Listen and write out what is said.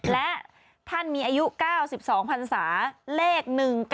และท่านมีอายุ๙๒พันศาเลข๑๙